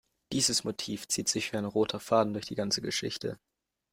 Dieses Motiv zieht sich wie ein roter Faden durch die ganze Geschichte.